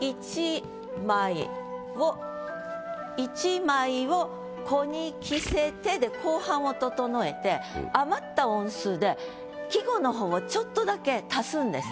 「一枚を子に着せて」で後半を整えて余った音数で季語の方をちょっとだけ足すんです。